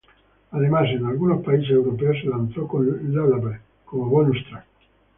Además en algunos países europeos se lanzó con Lullaby como bonus track.